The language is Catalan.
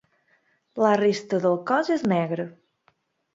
La resta del cos és negre.